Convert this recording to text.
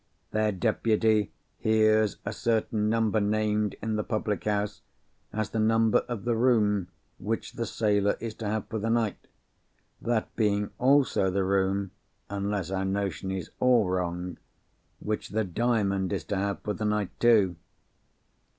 Their deputy hears a certain number named in the public house, as the number of the room which the sailor is to have for the night—that being also the room (unless our notion is all wrong) which the Diamond is to have for the night, too.